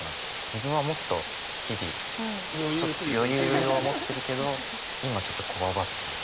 自分はもっと日々余裕を持ってるけど今ちょっと強張ってるっていう。